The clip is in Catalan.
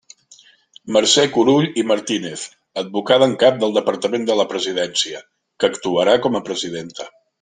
Mercè Curull i Martínez, advocada en cap del Departament de la Presidència, que actuarà com a presidenta.